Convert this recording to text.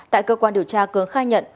tại cơ quan điều tra cường khai nhận